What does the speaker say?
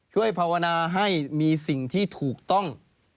ภาวนาให้มีสิ่งที่ถูกต้อง